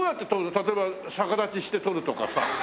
例えば逆立ちして撮るとかさ。